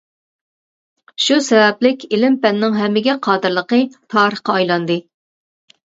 شۇ سەۋەبلىك ئىلىم-پەننىڭ ھەممىگە قادىرلىقى تارىخقا ئايلاندى.